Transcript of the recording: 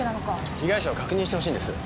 被害者を確認してほしいんです。